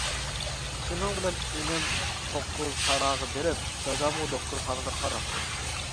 شۇنىڭ بىلەن ئىنىم توققۇزتاراغا بېرىپ دادامغا دوختۇرخانىدا قاراپتۇ.